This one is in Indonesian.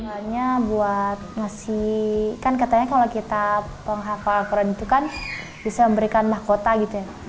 awalnya buat ngasih kan katanya kalau kita penghafal al quran itu kan bisa memberikan mahkota gitu ya